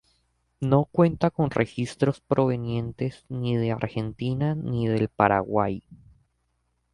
No cuenta con registros provenientes ni de la Argentina ni del Paraguay.